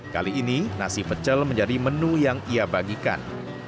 kali ini nasi pecel menjadi menu yang ia bagikan